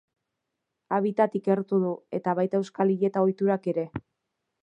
Habitat ikertu du eta baita euskal hileta-ohiturak ere.